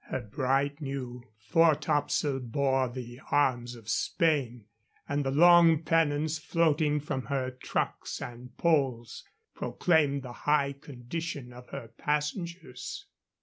Her bright new fore topsail bore the arms of Spain, and the long pennons floating from her trucks and poles proclaimed the high condition of her passengers.